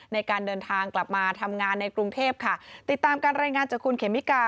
ในการเดินทางกลับมาทำงานในกรุงเทพค่ะติดตามการรายงานจากคุณเขมิกา